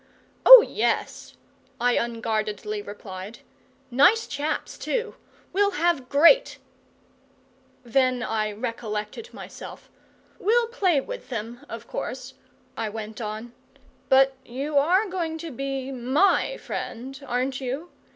"Oh yes," I unguardedly replied. "Nice chaps, too. We'll have great " Then I recollected myself. "We'll play with them, of course," I went on. "But you are going to be MY friend, aren't you?